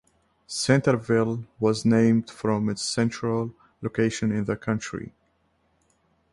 Centerville was named from its central location in the county.